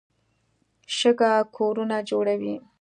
شګه کورونه جوړوي.